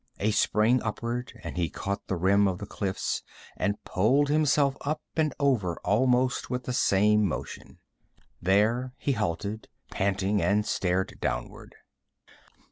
A spring upward and he caught the rim of the cliffs and pulled himself up and over almost with the same motion. There he halted, panting, and stared downward.